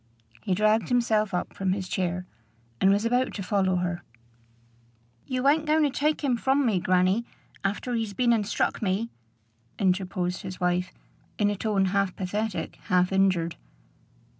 He dragged himself up from his chair, and was about to follow her. "You ain't going to take him from me, grannie, after he's been and struck me?" interposed his wife, in a tone half pathetic, half injured.